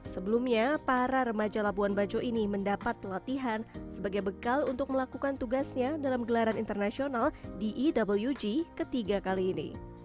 sebelumnya para remaja labuan bajo ini mendapat pelatihan sebagai bekal untuk melakukan tugasnya dalam gelaran internasional di ewg ketiga kali ini